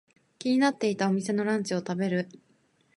気になっていたお店のランチを食べる。